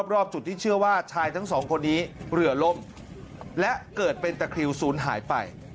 รอบจุดที่เชื่อว่าชายทั้งสองคนนี้เรือล่มและเกิดเป็นตะคริวศูนย์หายไป